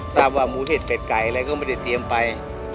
ทราบว่าหมูเห็ดเป็ดไก่อะไรก็ไม่ได้เตรียมไป